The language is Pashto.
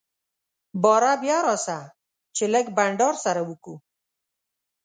باره بيا راسه چي لږ بانډار سره وکو.